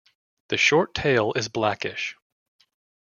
The short tail is blackish.